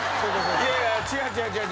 いやいや違う違う。